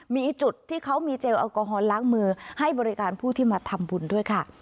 มีจุดที่เขามีเจลแอลกอฮอลล้างมือให้บริการผู้ที่มาทำบุญด้วยค่ะ